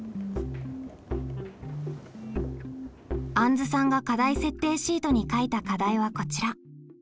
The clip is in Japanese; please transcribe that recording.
あんずさんが課題設定シートに書いた課題はこちら。